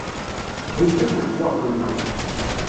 Wwint akk lekwaɣeḍ-nneɣ.